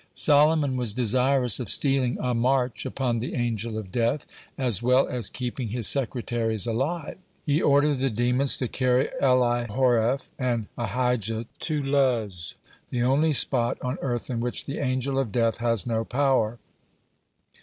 Solomon was desirous of stealing a march upon the Angel of Death, as well as keeping his secretaries alive. He ordered the demons to carry Elihoreph and Ahijah to Luz, the only spot on earth in which the Angel of Death has no power.